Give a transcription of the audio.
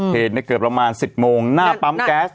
เพจในเกือบประมาณ๑๐โมงหน้าปั๊มแก๊ส